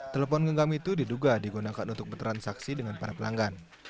telepon genggam itu diduga digunakan untuk bertransaksi dengan para pelanggan